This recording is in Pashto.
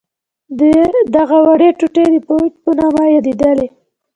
دغه وړې ټوټې د فیوډ په نامه یادیدلې.